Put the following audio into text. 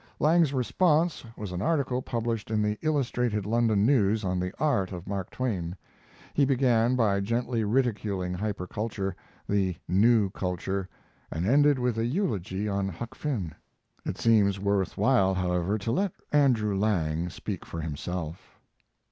Lang's response was an article published in the Illustrated London News on the art of Mark Twain. He began by gently ridiculing hyperculture the new culture and ended with a eulogy on Huck Finn. It seems worth while, however, to let Andrew Lang speak for himself.